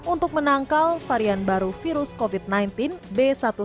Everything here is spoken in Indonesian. untuk menangkal varian baru virus covid sembilan belas b satu satu